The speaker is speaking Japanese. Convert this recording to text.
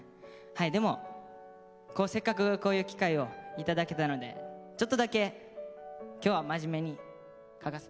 はいでもせっかくこういう機会を頂けたのでちょっとだけ今日は真面目に書かせてもらいました。